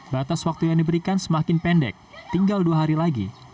batas waktu yang diberikan semakin pendek tinggal dua hari lagi